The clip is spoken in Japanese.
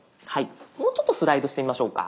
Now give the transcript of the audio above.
もうちょっとスライドしてみましょうか。